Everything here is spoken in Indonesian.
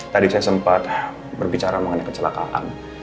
tadi saya sempat berbicara mengenai kecelakaan